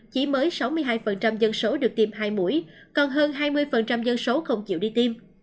chỉ mới sáu mươi hai dân số được tiêm hai mũi còn hơn hai mươi dân số không chịu đi tiêm